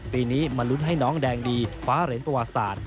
ปีนี้มารุ้นให้น้องแดงดีคว้าเหร็นปวาศาสตร์